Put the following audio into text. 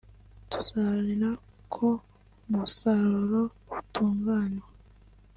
tuzaharanira ko umusaruro utunganywa